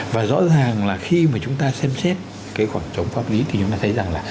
và rõ ràng là khi mà chúng ta xem xét cái khoảng trống pháp lý thì chúng ta thấy rằng là